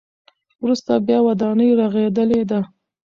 وروسته بیا ودانۍ رغېدلې ده.